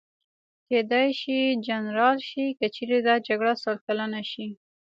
کېدای شي جنرال شي، که چېرې دا جګړه سل کلنه شي.